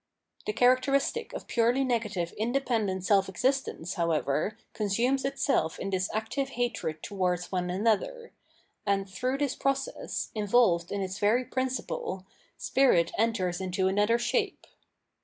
The characteristic of purely negative independent self existence, however, consumes itself m this active hatred towards one another ; and through this pro cess, involved in its very principle, spirit enters into another shape.